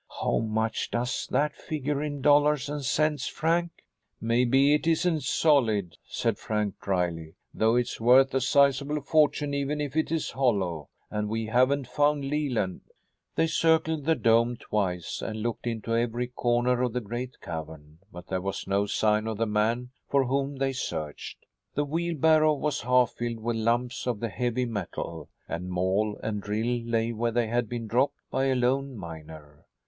How much does that figure in dollars and cents, Frank?" "Maybe it isn't solid," said Frank dryly, "though it's worth a sizeable fortune even if it is hollow. And we haven't found Leland." They circled the dome twice and looked into every corner of the great cavern, but there was no sign of the man for whom they searched. The wheelbarrow was half filled with lumps of the heavy metal, and maul and drill lay where they had been dropped by the lone miner.